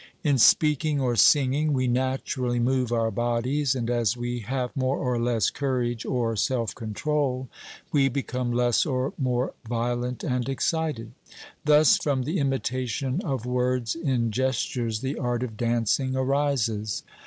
In speaking or singing we naturally move our bodies, and as we have more or less courage or self control we become less or more violent and excited. Thus from the imitation of words in gestures the art of dancing arises.